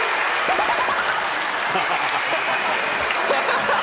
ハハハッ！